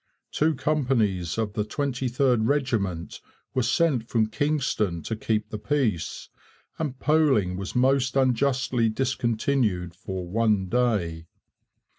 Two companies of the 23rd Regiment were sent from Kingston to keep the peace, and polling was most unjustly discontinued for one day.'